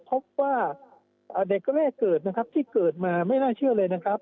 พบว่าเด็กแรกเกิดนะครับที่เกิดมาไม่น่าเชื่อเลยนะครับ